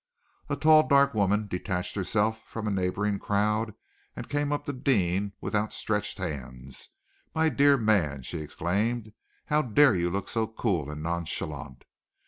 A tall, dark woman detached herself from a neighboring crowd, and came up to Deane with outstretched hands. "My dear man!" she exclaimed. "How dare you look so cool and nonchalant!